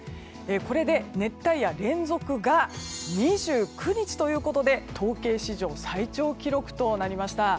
これで熱帯夜、連続が２９日ということで統計史上最長記録となりました。